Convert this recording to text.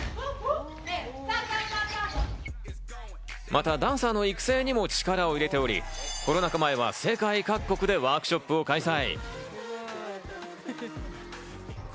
またダンサーの育成にも力を入れており、コロナ禍前は世界各国でワークショップを開催。